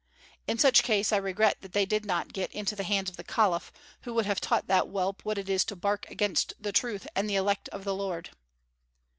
"In such case I regret that they did not get into the hands of the caliph, who would have taught that whelp what it is to bark against the truth and the elect of the Lord."